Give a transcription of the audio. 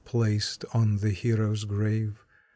Placed on the hero's grave.